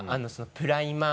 プライマー？